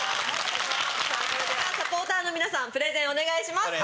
それではサポーターの皆さんプレゼンお願いします。